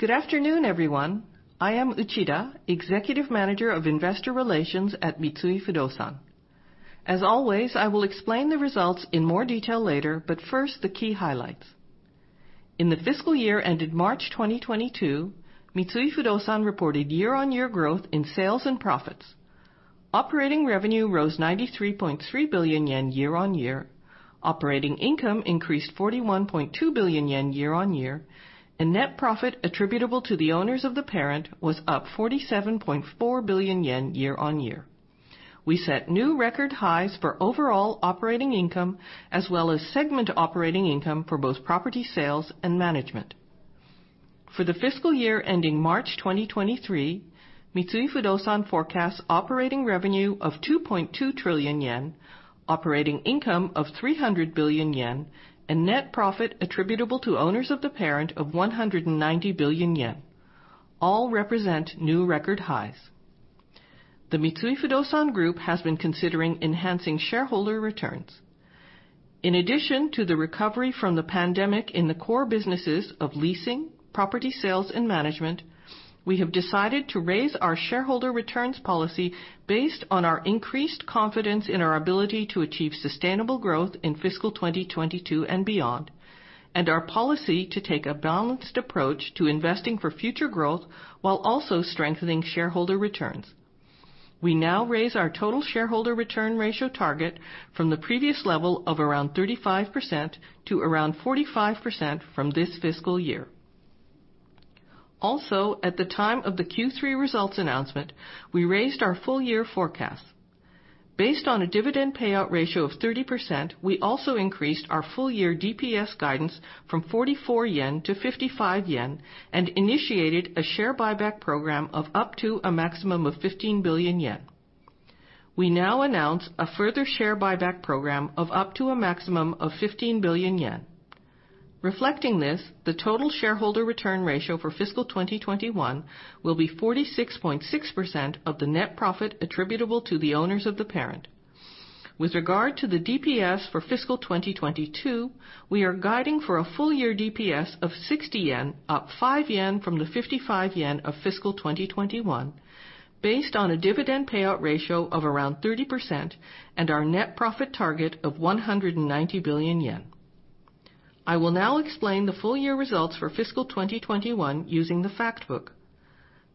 Good afternoon, everyone. I am Uchida, Executive Manager of Investor Relations at Mitsui Fudosan. As always, I will explain the results in more detail later, but first, the key highlights. In the fiscal year ended March 2022, Mitsui Fudosan reported year-over-year growth in sales and profits. Operating revenue rose 93.3 billion yen year-over-year, operating income increased 41.2 billion yen year-over-year, and net profit attributable to the owners of the parent was up 47.4 billion yen year-over-year. We set new record highs for overall operating income as well as segment operating income for both property sales and management. For the fiscal year ending March 2023, Mitsui Fudosan forecasts operating revenue of 2.2 trillion yen, operating income of 300 billion yen, and net profit attributable to owners of the parent of 190 billion yen. All represent new record highs. The Mitsui Fudosan Group has been considering enhancing shareholder returns. In addition to the recovery from the pandemic in the core businesses of leasing, property sales, and management, we have decided to raise our shareholder returns policy based on our increased confidence in our ability to achieve sustainable growth in fiscal 2022 and beyond, and our policy to take a balanced approach to investing for future growth while also strengthening shareholder returns. We now raise our total shareholder return ratio target from the previous level of around 35% to around 45% from this fiscal year. Also, at the time of the Q3 results announcement, we raised our full year forecast. Based on a dividend payout ratio of 30%, we also increased our full year DPS guidance from 44 yen to 55 yen and initiated a share buyback program of up to a maximum of 15 billion yen. We now announce a further share buyback program of up to a maximum of 15 billion yen. Reflecting this, the total shareholder return ratio for fiscal 2021 will be 46.6% of the net profit attributable to the owners of the parent. With regard to the DPS for fiscal 2022, we are guiding for a full year DPS of 60 yen, up 5 yen from the 55 yen of fiscal 2021, based on a dividend payout ratio of around 30% and our net profit target of 190 billion yen. I will now explain the full year results for fiscal 2021 using the fact book.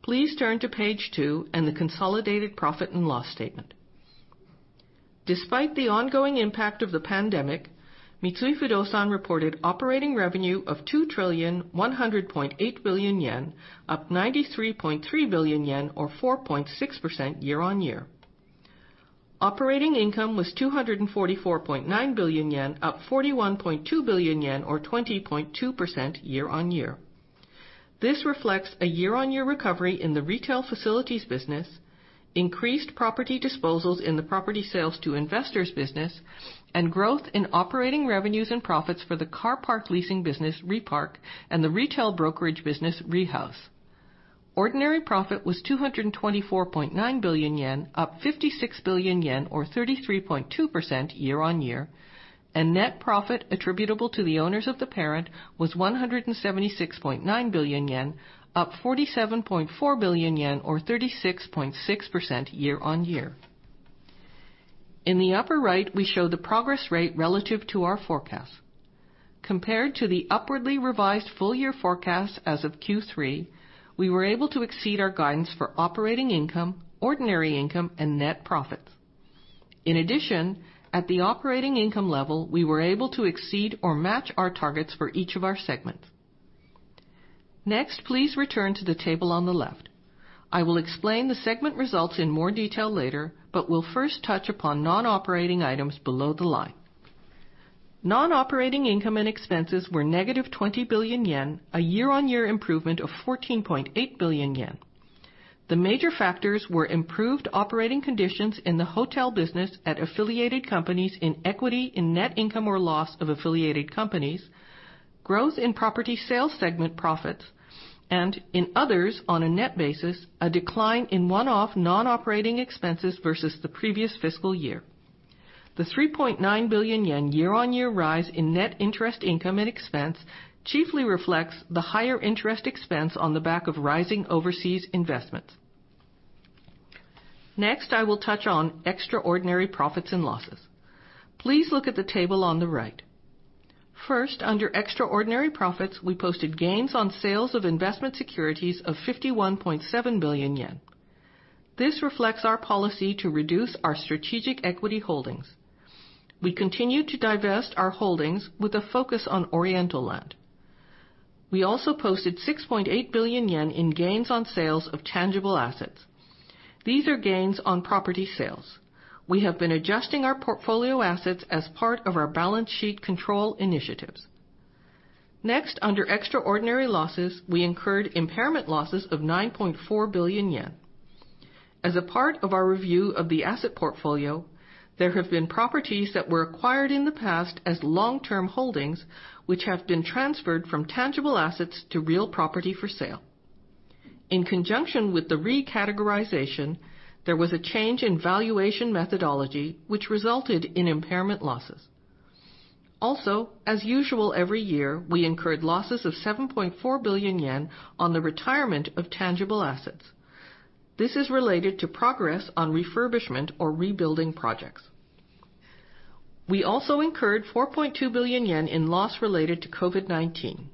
Please turn to page two and the consolidated profit and loss statement. Despite the ongoing impact of the pandemic, Mitsui Fudosan reported operating revenue of 2100.8 billion yen, up 93.3 billion yen, or 4.6% year-on-year. Operating income was 244.9 billion yen, up 41.2 billion yen, or 20.2% year-on-year. This reflects a year-on-year recovery in the retail facilities business, increased property disposals in the property sales to investors business, and growth in operating revenues and profits for the car park leasing business Repark and the retail brokerage business Rehouse. Ordinary profit was 224.9 billion yen, up 56 billion yen, or 33.2% year-on-year. Net profit attributable to the owners of the parent was 176.9 billion yen, up 47.4 billion yen, or 36.6% year-on-year. In the upper right, we show the progress rate relative to our forecast. Compared to the upwardly revised full year forecast as of Q3, we were able to exceed our guidance for operating income, ordinary income, and net profit. In addition, at the operating income level, we were able to exceed or match our targets for each of our segments. Next, please return to the table on the left. I will explain the segment results in more detail later, but will first touch upon non-operating items below the line. Non-operating income and expenses were negative 20 billion yen, a year-on-year improvement of 14.8 billion yen. The major factors were improved operating conditions in the hotel business at affiliated companies in equity, in net income or loss of affiliated companies, growth in property sales segment profits, and in others, on a net basis, a decline in one-off non-operating expenses versus the previous fiscal year. The 3.9 billion yen year-on-year rise in net interest income and expense chiefly reflects the higher interest expense on the back of rising overseas investments. Next, I will touch on extraordinary profits and losses. Please look at the table on the right. First, under extraordinary profits, we posted gains on sales of investment securities of 51.7 billion yen. This reflects our policy to reduce our strategic equity holdings. We continue to divest our holdings with a focus on Oriental Land. We also posted 6.8 billion yen in gains on sales of tangible assets. These are gains on property sales. We have been adjusting our portfolio assets as part of our balance sheet control initiatives. Next, under extraordinary losses, we incurred impairment losses of 9.4 billion yen. As a part of our review of the asset portfolio, there have been properties that were acquired in the past as long-term holdings, which have been transferred from tangible assets to real property for sale. In conjunction with the recategorization, there was a change in valuation methodology, which resulted in impairment losses. Also, as usual every year, we incurred losses of 7.4 billion yen on the retirement of tangible assets. This is related to progress on refurbishment or rebuilding projects. We also incurred 4.2 billion yen in loss related to COVID-19.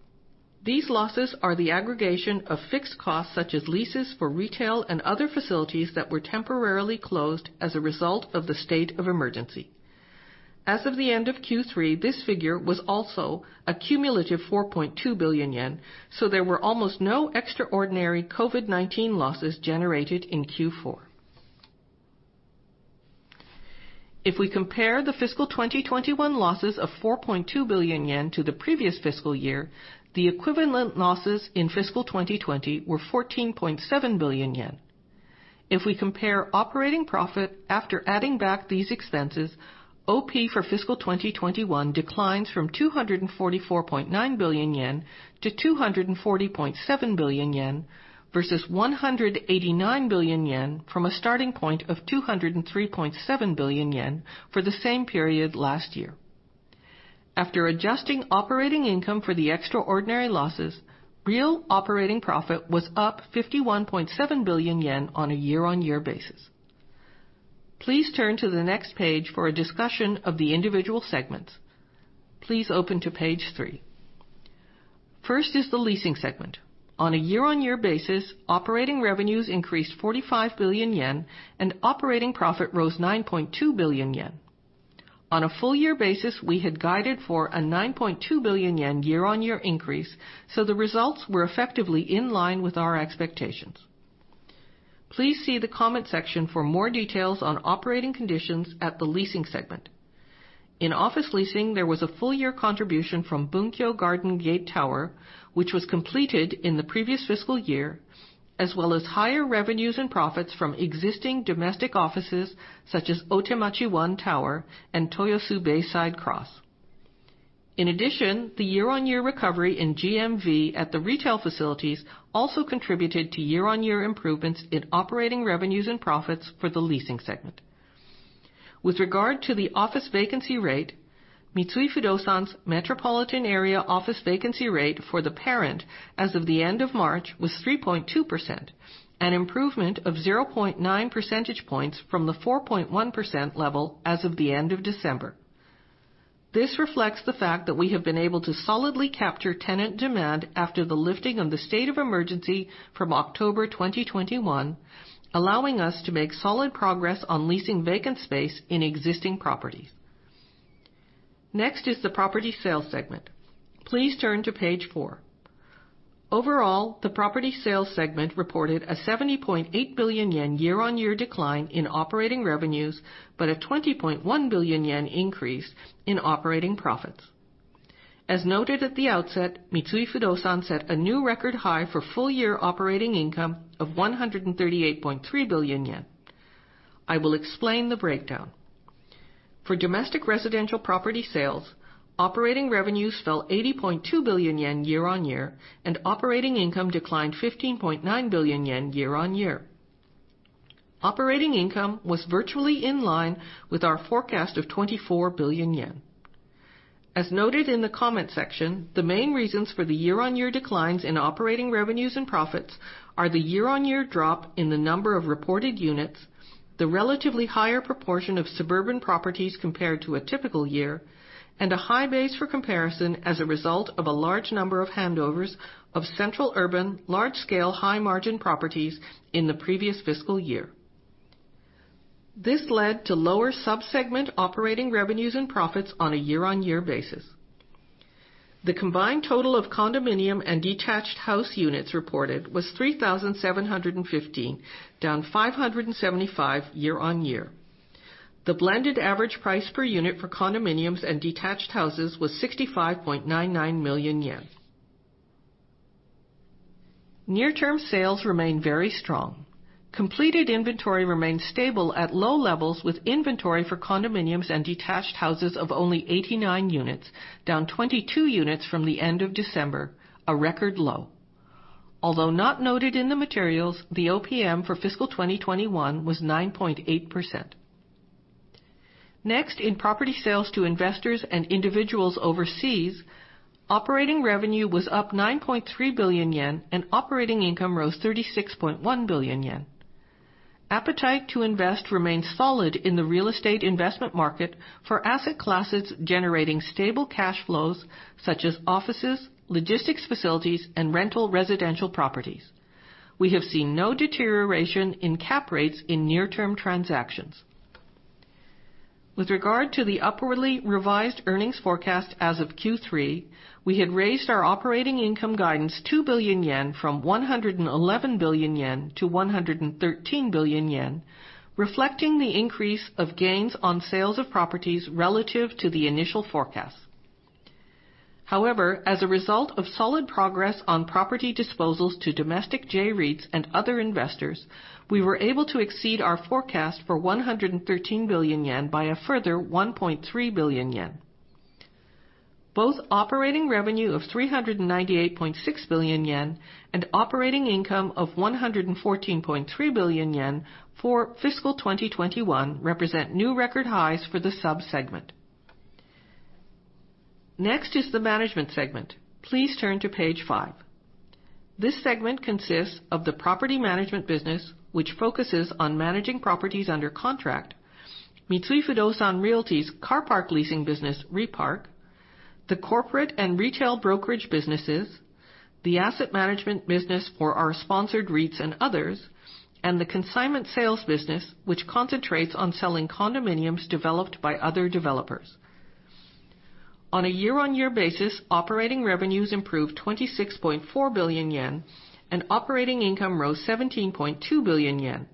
These losses are the aggregation of fixed costs, such as leases for retail and other facilities that were temporarily closed as a result of the state of emergency. As of the end of Q3, this figure was also a cumulative 4.2 billion yen, so there were almost no extraordinary COVID-19 losses generated in Q4. If we compare the fiscal 2021 losses of 4.2 billion yen to the previous fiscal year, the equivalent losses in fiscal 2020 were 14.7 billion yen. If we compare operating profit after adding back these expenses, OP for fiscal 2021 declines from 244.9 billion yen to 240.7 billion yen versus 189 billion yen from a starting point of 203.7 billion yen for the same period last year. After adjusting operating income for the extraordinary losses, real operating profit was up 51.7 billion yen on a year-on-year basis. Please turn to the next page for a discussion of the individual segments. Please open to page three. First is the leasing segment. On a year-on-year basis, operating revenues increased 45 billion yen and operating profit rose 9.2 billion yen. On a full year basis, we had guided for a 9.2 billion yen year-on-year increase, so the results were effectively in line with our expectations. Please see the comment section for more details on operating conditions at the leasing segment. In office leasing, there was a full year contribution from Bunkyo Garden Gate Tower, which was completed in the previous fiscal year, as well as higher revenues and profits from existing domestic offices such as Otemachi One Tower and Toyosu Bayside Cross. In addition, the year-on-year recovery in GMV at the retail facilities also contributed to year-on-year improvements in operating revenues and profits for the leasing segment. With regard to the office vacancy rate, Mitsui Fudosan's metropolitan area office vacancy rate for the parent as of the end of March was 3.2%, an improvement of 0.9 percentage points from the 4.1% level as of the end of December. This reflects the fact that we have been able to solidly capture tenant demand after the lifting of the state of emergency from October 2021, allowing us to make solid progress on leasing vacant space in existing properties. Next is the property sales segment. Please turn to page four. Overall, the property sales segment reported a 70.8 billion yen year-on-year decline in operating revenues, but a 20.1 billion yen increase in operating profits. As noted at the outset, Mitsui Fudosan set a new record high for full year operating income of 138.3 billion yen. I will explain the breakdown. For domestic residential property sales, operating revenues fell 80.2 billion yen year-on-year, and operating income declined 15.9 billion yen year-on-year. Operating income was virtually in line with our forecast of 24 billion yen. As noted in the comment section, the main reasons for the year-on-year declines in operating revenues and profits are the year-on-year drop in the number of reported units, the relatively higher proportion of suburban properties compared to a typical year, and a high base for comparison as a result of a large number of handovers of central urban large-scale high margin properties in the previous fiscal year. This led to lower sub-segment operating revenues and profits on a year-on-year basis. The combined total of condominium and detached house units reported was 3,715, down 575 year-on-year. The blended average price per unit for condominiums and detached houses was 65.99 million yen. Near term sales remain very strong. Completed inventory remains stable at low levels with inventory for condominiums and detached houses of only 89 units, down 22 units from the end of December, a record low. Although not noted in the materials, the OPM for fiscal 2021 was 9.8%. Next, in property sales to investors and individuals overseas, operating revenue was up 9.3 billion yen and operating income rose 36.1 billion yen. Appetite to invest remains solid in the real estate investment market for asset classes generating stable cash flows such as offices, logistics facilities, and rental residential properties. We have seen no deterioration in cap rates in near-term transactions. With regard to the upwardly revised earnings forecast as of Q3, we had raised our operating income guidance 2 billion yen from 111 billion yen to 113 billion yen, reflecting the increase of gains on sales of properties relative to the initial forecast. However, as a result of solid progress on property disposals to domestic J-REITs and other investors, we were able to exceed our forecast for 113 billion yen by a further 1.3 billion yen. Both operating revenue of 398.6 billion yen and operating income of 114.3 billion yen for fiscal 2021 represent new record highs for the sub-segment. Next is the management segment. Please turn to page five. This segment consists of the property management business, which focuses on managing properties under contract, Mitsui Fudosan Realty's car park leasing business Repark, the corporate and retail brokerage businesses, the asset management business for our sponsored REITs and others, and the consignment sales business, which concentrates on selling condominiums developed by other developers. On a year-over-year basis, operating revenues improved 26.4 billion yen and operating income rose 17.2 billion yen.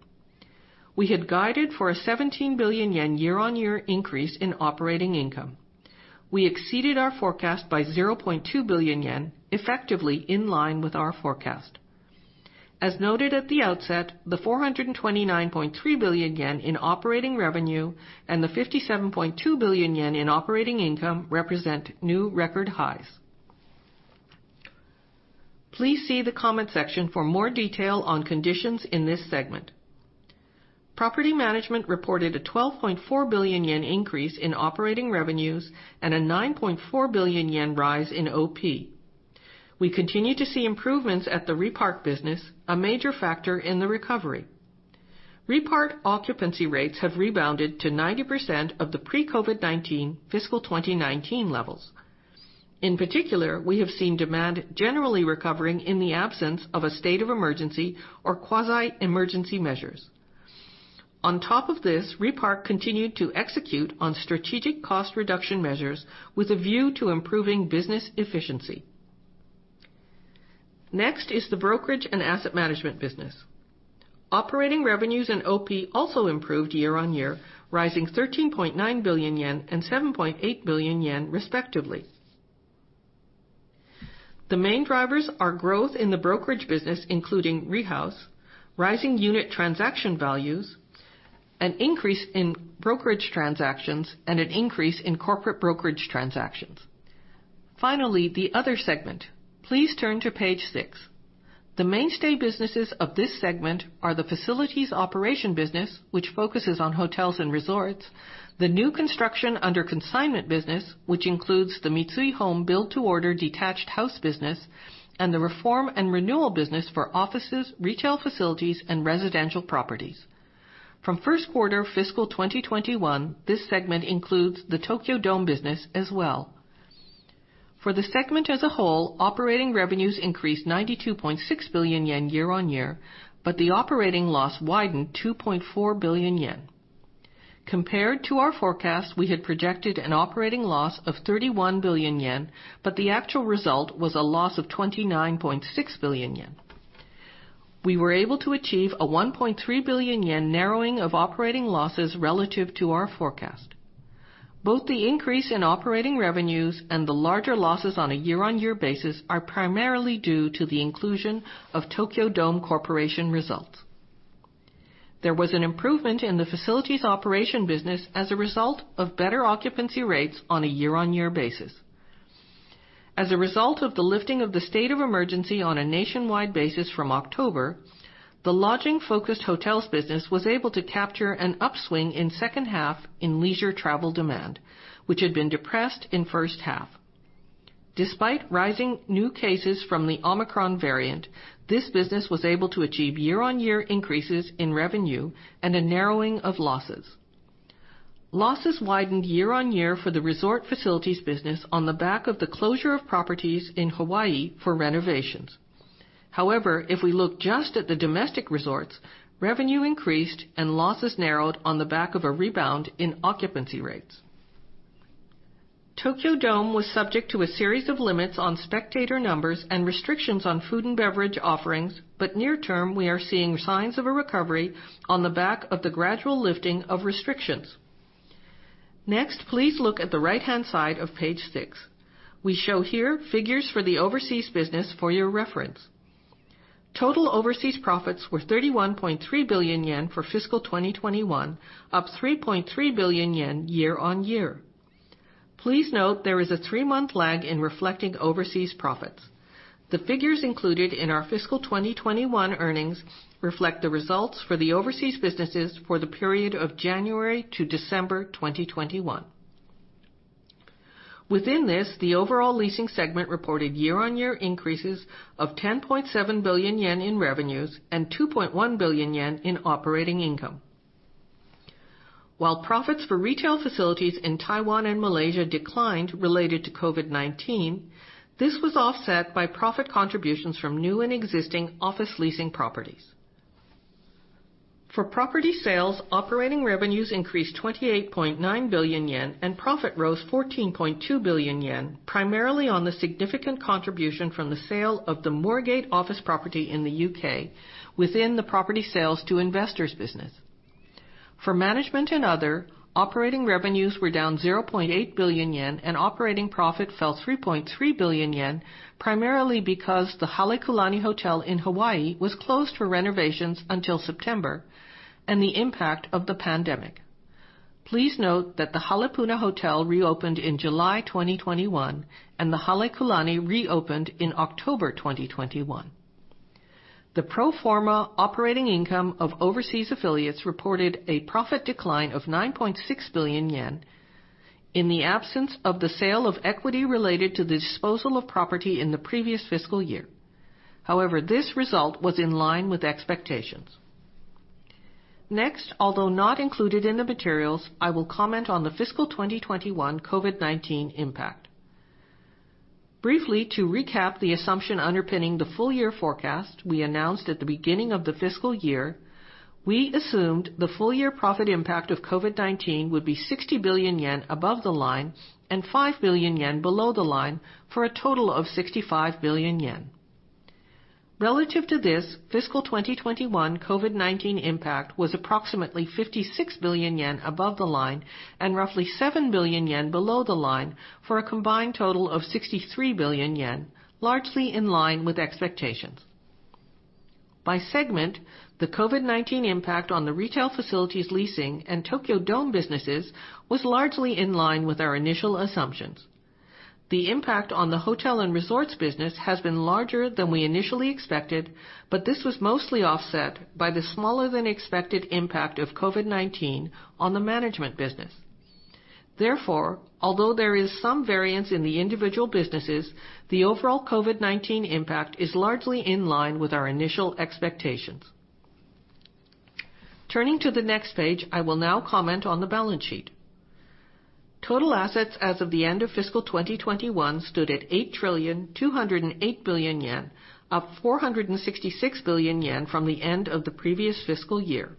We had guided for a 17 billion yen year-over-year increase in operating income. We exceeded our forecast by 0.2 billion yen, effectively in line with our forecast. As noted at the outset, the 429.3 billion yen in operating revenue and the 57.2 billion yen in operating income represent new record highs. Please see the comment section for more detail on conditions in this segment. Property management reported a 12.4 billion yen increase in operating revenues and a 9.4 billion yen rise in OP. We continue to see improvements at the Repark business, a major factor in the recovery. Repark occupancy rates have rebounded to 90% of the pre-COVID-19 fiscal 2019 levels. In particular, we have seen demand generally recovering in the absence of a state of emergency or quasi-emergency measures. On top of this, Repark continued to execute on strategic cost reduction measures with a view to improving business efficiency. Next is the brokerage and asset management business. Operating revenues and OP also improved year-on-year, rising 13.9 billion yen and 7.8 billion yen, respectively. The main drivers are growth in the brokerage business, including Rehouse, rising unit transaction values, an increase in brokerage transactions, and an increase in corporate brokerage transactions. Finally, the other segment. Please turn to page six. The mainstay businesses of this segment are the facilities operation business, which focuses on hotels and resorts, the new construction under consignment business, which includes the Mitsui Home build to order detached house business, and the reform and renewal business for offices, retail facilities, and residential properties. From first quarter fiscal 2021, this segment includes the Tokyo Dome business as well. For the segment as a whole, operating revenues increased 92.6 billion yen year-on-year, but the operating loss widened 2.4 billion yen. Compared to our forecast, we had projected an operating loss of 31 billion yen, but the actual result was a loss of 29.6 billion yen. We were able to achieve a 1.3 billion yen narrowing of operating losses relative to our forecast. Both the increase in operating revenues and the larger losses on a year-on-year basis are primarily due to the inclusion of Tokyo Dome Corporation results. There was an improvement in the facilities operation business as a result of better occupancy rates on a year-on-year basis. As a result of the lifting of the state of emergency on a nationwide basis from October, the lodging-focused hotels business was able to capture an upswing in second half in leisure travel demand, which had been depressed in first half. Despite rising new cases from the Omicron variant, this business was able to achieve year-on-year increases in revenue and a narrowing of losses. Losses widened year-on-year for the resort facilities business on the back of the closure of properties in Hawaii for renovations. However, if we look just at the domestic resorts, revenue increased and losses narrowed on the back of a rebound in occupancy rates. Tokyo Dome was subject to a series of limits on spectator numbers and restrictions on food and beverage offerings, but near term, we are seeing signs of a recovery on the back of the gradual lifting of restrictions. Next, please look at the right-hand side of page six. We show here figures for the overseas business for your reference. Total overseas profits were 31.3 billion yen for fiscal 2021, up 3.3 billion yen year-on-year. Please note there is a three month lag in reflecting overseas profits. The figures included in our fiscal 2021 earnings reflect the results for the overseas businesses for the period of January to December 2021. Within this, the overall leasing segment reported year-on-year increases of 10.7 billion yen in revenues and 2.1 billion yen in operating income. While profits for retail facilities in Taiwan and Malaysia declined related to COVID-19, this was offset by profit contributions from new and existing office leasing properties. For property sales, operating revenues increased 28.9 billion yen and profit rose 14.2 billion yen, primarily on the significant contribution from the sale of the Moorgate office property in the UK within the property sales to investors business. For management and other, operating revenues were down 0.8 billion yen and operating profit fell 3.3 billion yen, primarily because the Halekulani Hotel in Hawaii was closed for renovations until September and the impact of the pandemic. Please note that the Halepuna Hotel reopened in July 2021 and the Halekulani reopened in October 2021. The pro forma operating income of overseas affiliates reported a profit decline of 9.6 billion yen in the absence of the sale of equity related to the disposal of property in the previous fiscal year. However, this result was in line with expectations. Next, although not included in the materials, I will comment on the fiscal 2021 COVID-19 impact. Briefly, to recap the assumption underpinning the full year forecast we announced at the beginning of the fiscal year, we assumed the full year profit impact of COVID-19 would be 60 billion yen above the line and 5 billion yen below the line, for a total of 65 billion yen. Relative to this, fiscal 2021 COVID-19 impact was approximately 56 billion yen above the line and roughly 7 billion yen below the line for a combined total of 63 billion yen, largely in line with expectations. By segment, the COVID-19 impact on the retail facilities leasing and Tokyo Dome businesses was largely in line with our initial assumptions. The impact on the hotel and resorts business has been larger than we initially expected, but this was mostly offset by the smaller than expected impact of COVID-19 on the management business. Therefore, although there is some variance in the individual businesses, the overall COVID-19 impact is largely in line with our initial expectations. Turning to the next page, I will now comment on the balance sheet. Total assets as of the end of fiscal 2021 stood at 8,208 billion yen, up 466 billion yen from the end of the previous fiscal year.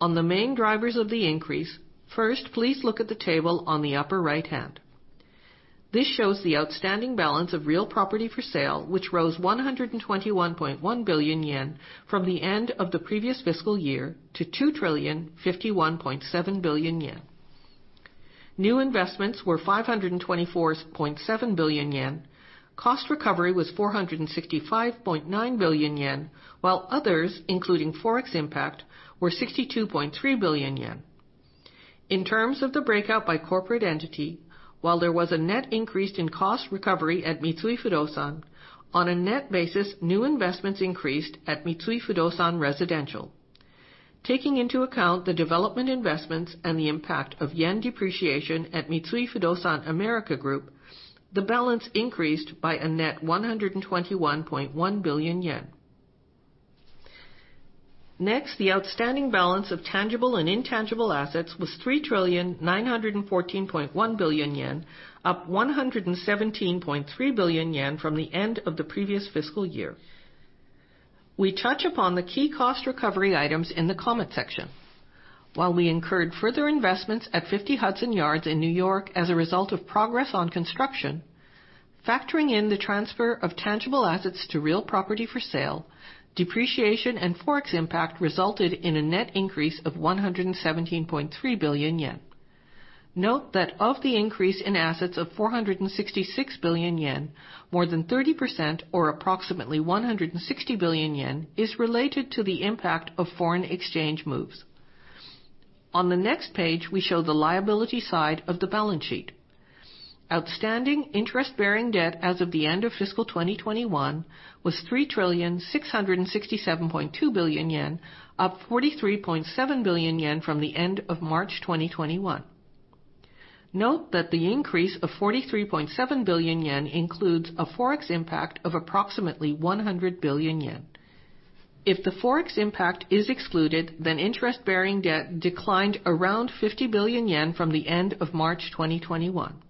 On the main drivers of the increase, first please look at the table on the upper right hand. This shows the outstanding balance of real property for sale, which rose 121.1 billion yen from the end of the previous fiscal year to 2,051.7 billion yen. New investments were 524.7 billion yen. Cost recovery was 465.9 billion yen, while others, including Forex impact, were 62.3 billion yen. In terms of the breakout by corporate entity, while there was a net increase in cost recovery at Mitsui Fudosan, on a net basis, new investments increased at Mitsui Fudosan Residential. Taking into account the development investments and the impact of yen depreciation at Mitsui Fudosan America Group, the balance increased by a net 121.1 billion yen. Next, the outstanding balance of tangible and intangible assets was 3,914.1 billion yen, up 117.3 billion yen from the end of the previous fiscal year. We touch upon the key cost recovery items in the comment section. While we incurred further investments at Fifty Hudson Yards in New York as a result of progress on construction, factoring in the transfer of tangible assets to real property for sale, depreciation and Forex impact resulted in a net increase of 117.3 billion yen. Note that of the increase in assets of 466 billion yen, more than 30%, or approximately 160 billion yen, is related to the impact of foreign exchange moves. On the next page, we show the liability side of the balance sheet. Outstanding interest bearing debt as of the end of fiscal 2021 was 3,667.2 billion yen, up 43.7 billion yen from the end of March 2021. Note that the increase of 43.7 billion yen includes a Forex impact of approximately 100 billion yen. If the Forex impact is excluded, then interest bearing debt declined around 50 billion yen from the end of March 2021.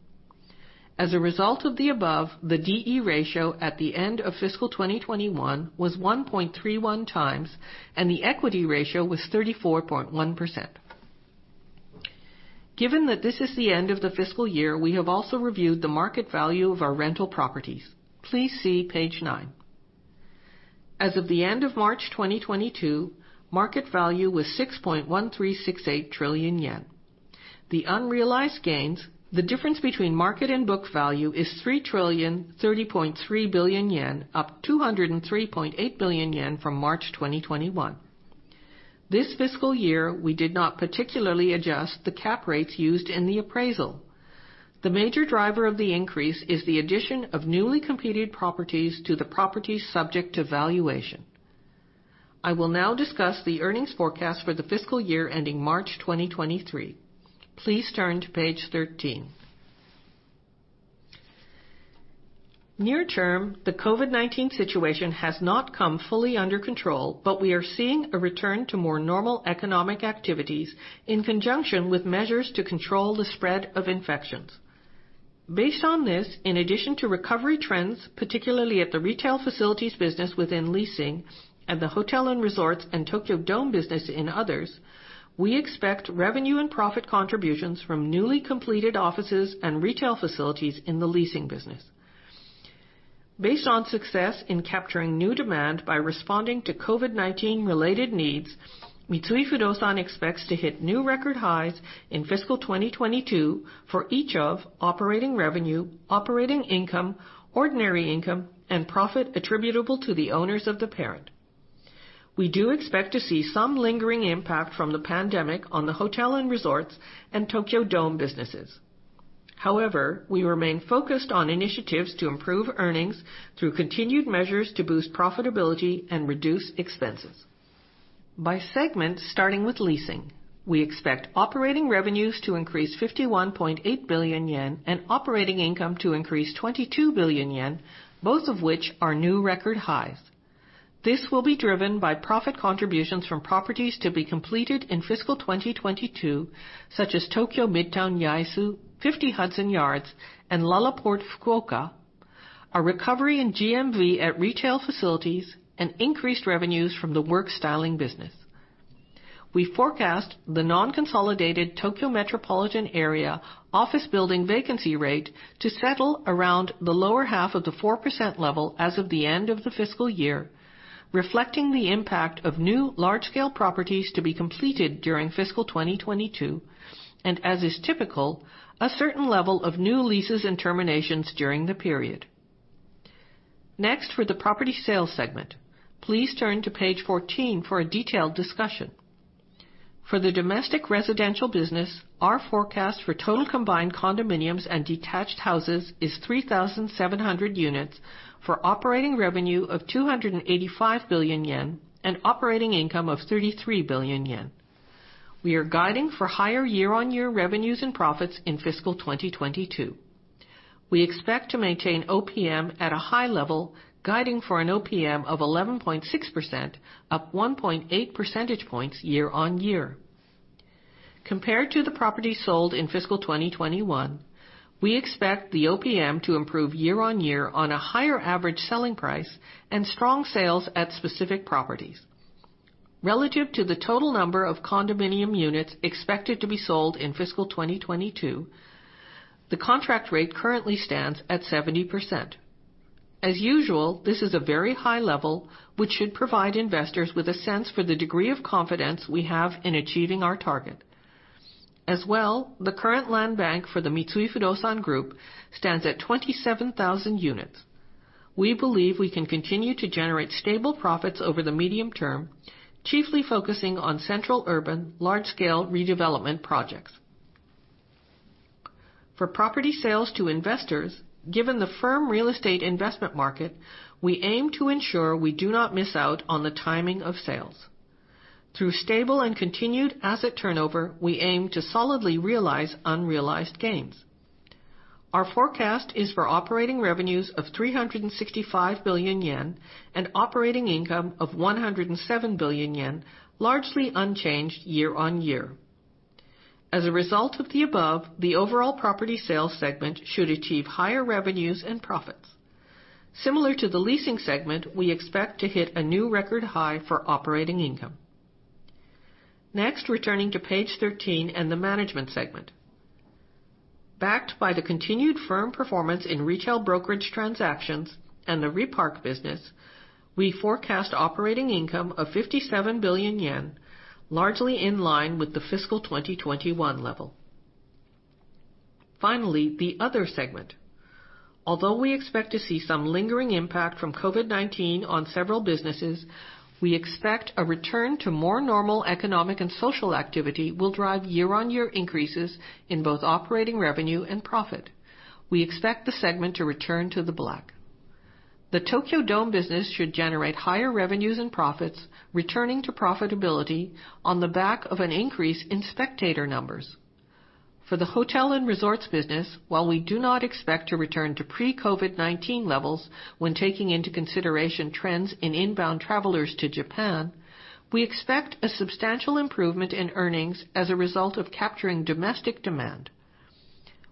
As a result of the above, the D/E ratio at the end of fiscal 2021 was 1.31x, and the equity ratio was 34.1%. Given that this is the end of the fiscal year, we have also reviewed the market value of our rental properties. Please see page nine. As of the end of March 2022, market value was 6.1368 trillion yen. The unrealized gains, the difference between market and book value, is 3.0303 trillion, up 203.8 billion yen from March 2021. This fiscal year, we did not particularly adjust the cap rates used in the appraisal. The major driver of the increase is the addition of newly completed properties to the properties subject to valuation. I will now discuss the earnings forecast for the fiscal year ending March 2023. Please turn to page 13. Near term, the COVID-19 situation has not come fully under control, but we are seeing a return to more normal economic activities in conjunction with measures to control the spread of infections. Based on this, in addition to recovery trends, particularly at the retail facilities business within leasing and the hotel and resorts and Tokyo Dome business in others, we expect revenue and profit contributions from newly completed offices and retail facilities in the leasing business. Based on success in capturing new demand by responding to COVID-19 related needs, Mitsui Fudosan expects to hit new record highs in fiscal 2022 for each of operating revenue, operating income, ordinary income, and profit attributable to the owners of the parent. We do expect to see some lingering impact from the pandemic on the hotel and resorts and Tokyo Dome businesses. However, we remain focused on initiatives to improve earnings through continued measures to boost profitability and reduce expenses. By segment, starting with leasing, we expect operating revenues to increase 51.8 billion yen and operating income to increase 22 billion yen, both of which are new record highs. This will be driven by profit contributions from properties to be completed in fiscal 2022, such as Tokyo Midtown Yaesu, 50 Hudson Yards, and LaLaport Fukuoka, a recovery in GMV at retail facilities, and increased revenues from the Work Styling business. We forecast the non-consolidated Tokyo metropolitan area office building vacancy rate to settle around the lower half of the 4% level as of the end of the fiscal year, reflecting the impact of new large-scale properties to be completed during fiscal 2022, and as is typical, a certain level of new leases and terminations during the period. Next, for the property sales segment, please turn to page 14 for a detailed discussion. For the domestic residential business, our forecast for total combined condominiums and detached houses is 3,700 units for operating revenue of 285 billion yen and operating income of 33 billion yen. We are guiding for higher year-on-year revenues and profits in fiscal 2022. We expect to maintain OPM at a high level, guiding for an OPM of 11.6%, up 1.8 percentage points year on year. Compared to the property sold in fiscal 2021, we expect the OPM to improve year on year on a higher average selling price and strong sales at specific properties. Relative to the total number of condominium units expected to be sold in fiscal 2022, the contract rate currently stands at 70%. As usual, this is a very high level, which should provide investors with a sense for the degree of confidence we have in achieving our target. The current land bank for the Mitsui Fudosan Group stands at 27,000 units. We believe we can continue to generate stable profits over the medium term, chiefly focusing on central urban large-scale redevelopment projects. For property sales to investors, given the firm real estate investment market, we aim to ensure we do not miss out on the timing of sales. Through stable and continued asset turnover, we aim to solidly realize unrealized gains. Our forecast is for operating revenues of 365 billion yen and operating income of 107 billion yen, largely unchanged year-on-year. The overall property sales segment should achieve higher revenues and profits. Similar to the leasing segment, we expect to hit a new record high for operating income. Next, returning to page 13 and the management segment. Backed by the continued firm performance in retail brokerage transactions and the Repark business, we forecast operating income of 57 billion yen, largely in line with the fiscal 2021 level. Finally, the other segment. Although we expect to see some lingering impact from COVID-19 on several businesses, we expect a return to more normal economic and social activity will drive year-on-year increases in both operating revenue and profit. We expect the segment to return to the black. The Tokyo Dome business should generate higher revenues and profits, returning to profitability on the back of an increase in spectator numbers. For the hotel and resorts business, while we do not expect to return to pre-COVID-19 levels when taking into consideration trends in inbound travelers to Japan, we expect a substantial improvement in earnings as a result of capturing domestic demand.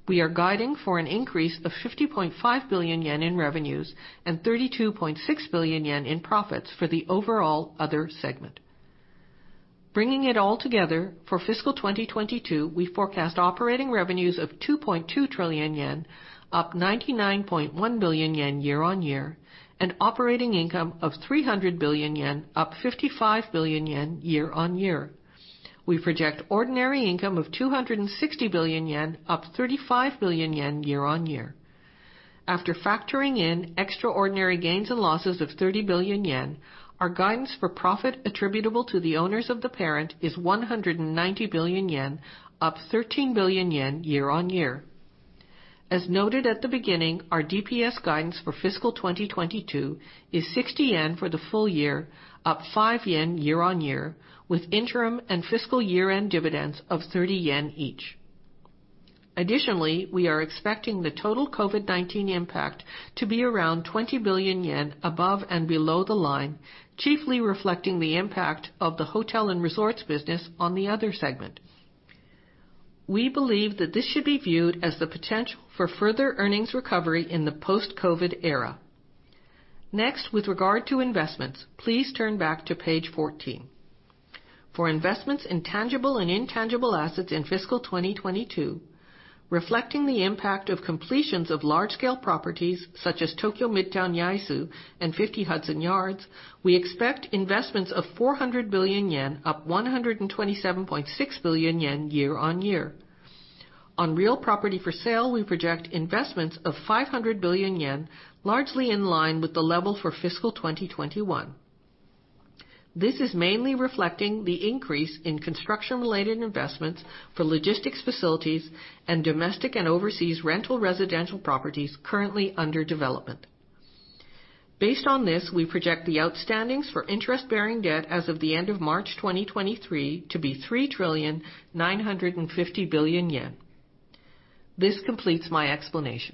We are guiding for an increase of 50.5 billion yen in revenues and 32.6 billion yen in profits for the overall other segment. Bringing it all together, for fiscal 2022, we forecast operating revenues of 2.2 trillion yen, up 99.1 billion yen year-on-year, and operating income of 300 billion yen, up 55 billion yen year-on-year. We project ordinary income of 260 billion yen, up 35 billion yen year-on-year. After factoring in extraordinary gains and losses of 30 billion yen, our guidance for profit attributable to the owners of the parent is 190 billion yen, up 13 billion yen year-on-year. As noted at the beginning, our DPS guidance for fiscal 2022 is 60 yen for the full year, up 5 yen year-on-year, with interim and fiscal year-end dividends of 30 yen each. Additionally, we are expecting the total COVID-19 impact to be around 20 billion yen above and below the line, chiefly reflecting the impact of the hotel and resorts business on the other segment. We believe that this should be viewed as the potential for further earnings recovery in the post-COVID era. Next, with regard to investments, please turn back to page 14. For investments in tangible and intangible assets in fiscal 2022, reflecting the impact of completions of large scale properties such as Tokyo Midtown Yaesu and 50 Hudson Yards, we expect investments of 400 billion yen, up 127.6 billion yen year-on-year. On real property for sale, we project investments of 500 billion yen, largely in line with the level for fiscal 2021. This is mainly reflecting the increase in construction-related investments for logistics facilities and domestic and overseas rental residential properties currently under development. Based on this, we project the outstandings for interest-bearing debt as of the end of March 2023 to be 3,950 billion yen. This completes my explanation.